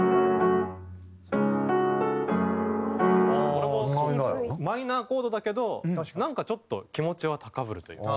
これもマイナーコードだけどなんかちょっと気持ちは高ぶるというか。